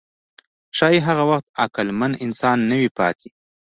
ښایي هغه وخت عقلمن انسان نه وي پاتې.